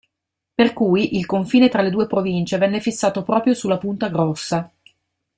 Per cui il confine tra le due Province venne fissato proprio sulla Punta Grossa.